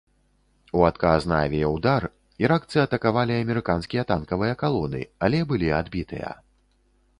У адказ на авіяўдар іракцы атакавалі амерыканскія танкавыя калоны, але былі адбітыя.